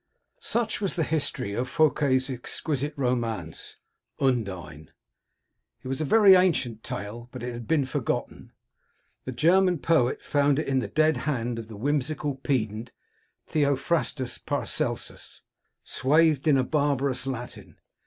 Such was the history of Fouque's exquisite romance. Undine. It was a very ancient tale, but it had been forgotten. The German poet found it in the dead hand of the whimsical pedant, Theophrastus Paracelsus, swathed in barbarous Latin.